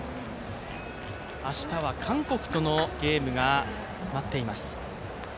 明日は韓国とのゲームが待っています。